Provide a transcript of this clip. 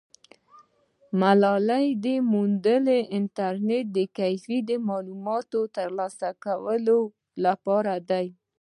ملالۍ میوندي انټرنیټ کیفې د معلوماتو ترلاسه کولو لپاره ده.